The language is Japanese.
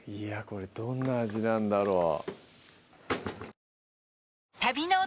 これどんな味なんだろう